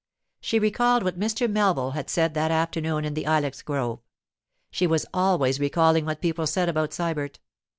She recalled what Mr. Melville had said that afternoon in the ilex grove—she was always recalling what people said about Sybert.